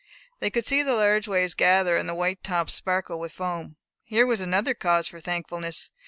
They could see the large waves gather, and the white tops sparkle with foam. Here was another cause for thankfulness.